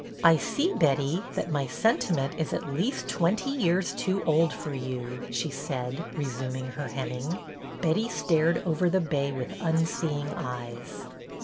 I see, Betty, that my sentiment is at least twenty years too old for you," she said, resum ing her hemming. Betty stared over the bay with unseeing eyes.